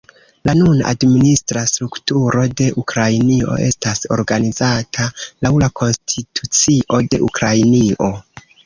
La nuna administra strukturo de Ukrainio estas organizata laŭ la konstitucio de Ukrainio.